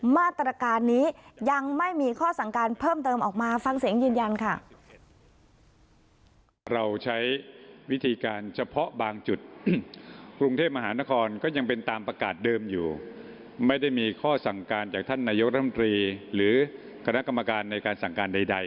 มาตรการนี้ยังไม่มีข้อสั่งการเพิ่มเติมออกมาฟังเสียงยืนยันค่ะ